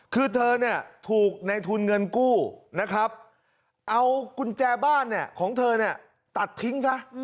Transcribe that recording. คือเธอถูกในทุนเงินกู้เอากุญแจบ้านของเธอตัดทิ้งเถอะ